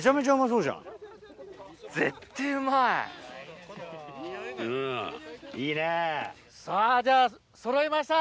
・うん・いいね。さぁじゃあそろいました！